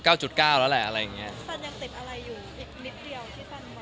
แต่ฟาร์ทซันเรายังติดอะไรอยู่อีกนิดเดียวที่ฟาร์ทซันว่า